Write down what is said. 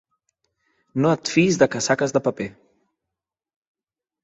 No et fiïs de casaques de paper.